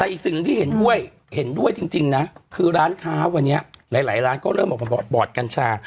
แต่อีกสิ่งหนึ่งที่เห็นด้วยเห็นด้วยจริงนะคือร้านค้าวันนี้หลายร้านก็เริ่มออกมาบอดกัญชา